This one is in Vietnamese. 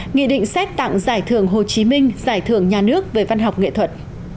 nghị định xét tặng giải thưởng hồ chí minh giải thưởng nhà nước về văn học nghệ thuật